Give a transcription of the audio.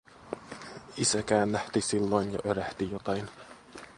Isä käännähti silloin ja örähti jotain.